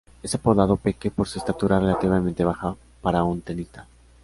Es apodado "Peque" por su estatura relativamente baja para un tenista.